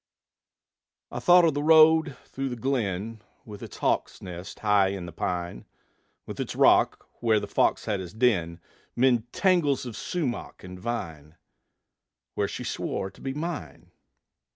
I thought of the road through the glen, With its hawk's nest high in the pine; With its rock, where the fox had his den, 'Mid tangles of sumach and vine, Where she swore to be mine.